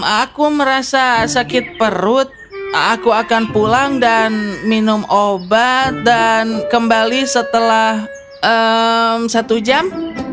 aku merasa sakit perut aku akan pulang dan minum obat dan kembali setelah satu jam